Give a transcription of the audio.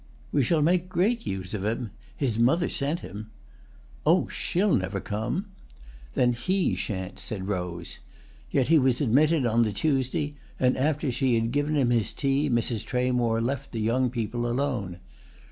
"We shall make great use of him. His mother sent him." "Oh, she'll never come!" "Then he sha'n't," said Rose. Yet he was admitted on the Tuesday, and after she had given him his tea Mrs. Tramore left the young people alone.